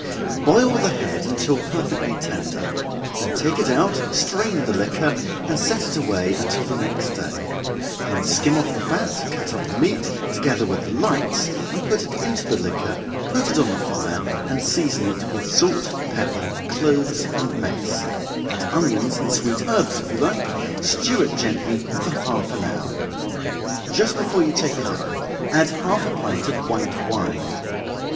_ Boil the head until perfectly tender then take it out, strain the liquor, and set it away until the next day then skim off the fat, cut up the meat, together with the lights, and put it into the liquor, put it on the fire, and season it with salt, pepper, cloves, and mace add onions and sweet herbs, if you like stew it gently for half an hour. Just before you take it up, add half a pint of white wine.